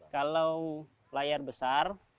kalau layar besar